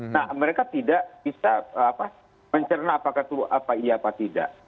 nah mereka tidak bisa mencerna apakah itu apa iya apa tidak